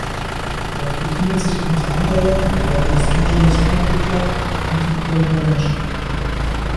Dort befindet sich unter anderem der Los Angeles Country Club und die Playboy Mansion.